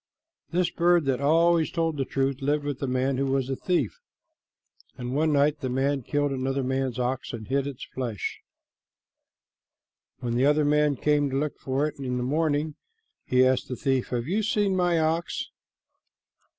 This bird that always told the truth lived with a man who was a thief, and one night the man killed another man's ox and hid its flesh. When the other man came to look for it in the morning, he asked the thief, "Have you seen my ox?"